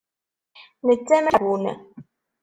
Netta mačči d aɛeggun.